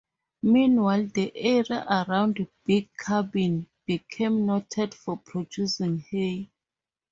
Meanwhile, the area around Big Cabin became noted for producing hay.